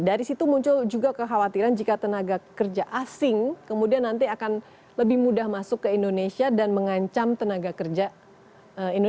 dari situ muncul juga kekhawatiran jika tenaga kerja asing kemudian nanti akan lebih mudah masuk ke indonesia dan mengancam tenaga kerja indonesia